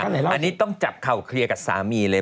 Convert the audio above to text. อันนี้ต้องจับเข่าเคลียร์กับสามีเลย